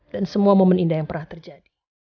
dan semua momen indah yang pernah terjadi